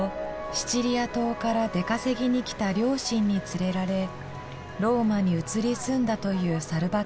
シチリア島から出稼ぎに来た両親に連れられローマに移り住んだというサルバトーレさん。